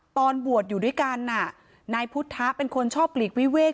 ตอนบวชอยู่ด้วยกันนายพุทธะเป็นคนชอบหลีกวิเวก